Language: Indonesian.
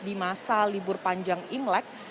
di masa libur panjang imlek